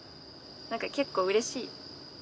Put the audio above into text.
何か結構うれしいよ。